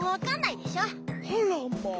あらまあ。